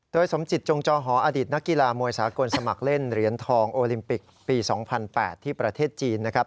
โดยสมจิตจงจอหออดิตนักกีฬามวยสากลสมัครเล่นเหรียญทองโอลิมปิกปี๒๐๐๘ที่ประเทศจีนนะครับ